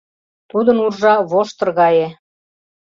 Тудын уржа воштыр гае.